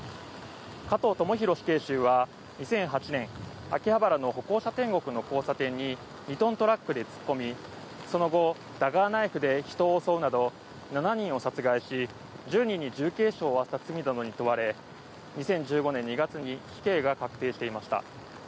加藤智大死刑囚は２００８年秋葉原の歩行者天国の交差点に２トントラックで突っ込みその後、ダガーナイフで人を襲うなど７人を殺害し１０人に重軽傷を負わせた罪などに問われ２０１５年２月に死刑が確定していました。